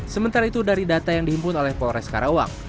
sementara itu dari data yang dihimpun oleh polres karawang